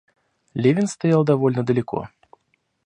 Левин стоял довольно далеко.